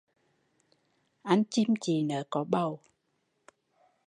Anh chim chị nớ có bầu